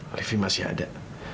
olivi masih ada